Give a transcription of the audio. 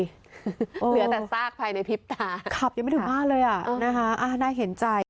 เหลือแต่ซากภัยในพริบตาขับยังไม่ถึงบ้านเลยอ่ะนะคะน่าเห็นใจ